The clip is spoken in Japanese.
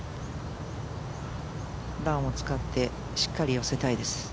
ランを使ってしっかり寄せたいです。